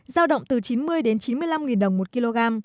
giao động từ chín mươi đến chín mươi năm đồng một kg